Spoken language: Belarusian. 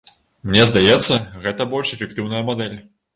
Мне здаецца, гэта больш эфектыўная мадэль.